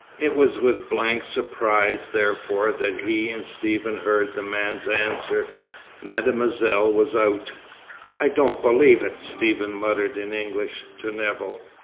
It was with blank surprise, therefore, that he and Stephen heard the man's answer. Mademoiselle was out. "I don't believe it," Stephen muttered in English, to Nevill.